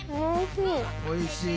おいしい。